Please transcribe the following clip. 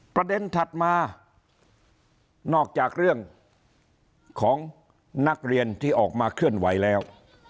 ถัดมานอกจากเรื่องของนักเรียนที่ออกมาเคลื่อนไหวแล้ว